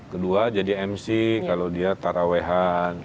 kedua jadi mc kalau dia tarawehan